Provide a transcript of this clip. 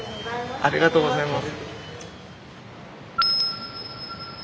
ありがとうございます。